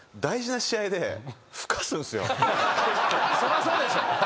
そりゃそうでしょ。